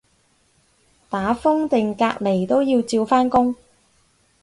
打風定隔離都要照返工